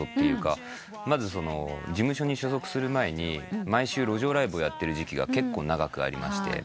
まず事務所に所属する前に毎週路上ライブをやってる時期が結構長くありまして。